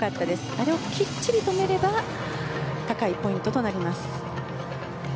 あれをきっちりと止めれば高いポイントとなります。